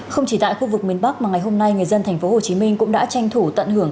không chỉ tại khu vực miền bắc mà ngày hôm nay người dân tp hcm cũng đã tranh thủ tận hưởng